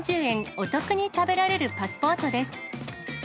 お得に食べられるパスポートです。